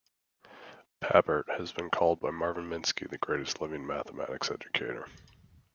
Papert has been called by Marvin Minsky "the greatest living mathematics educator".